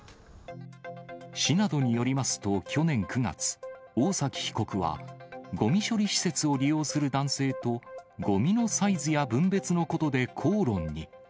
市などによりますと、去年９月、大崎被告は、ごみ処理施設を利用する男性と、ごみのサイズや分別のことで口論に。